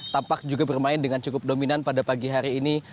tampak juga bermain dengan cukup dominan pada pagi hari ini